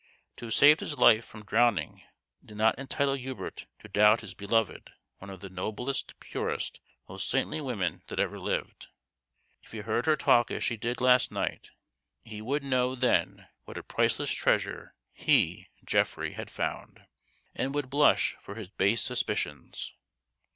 To have saved his life from drowning did not entitle Hubert to doubt his" beloved one of the noblest, purest, most saintly women that ever lived. If he heard her talk as she did last night, he would know then what a priceless treasure he (Geoffrey) had found, i8o THE GHOST OF THE PAST. and would blush for his base suspicions.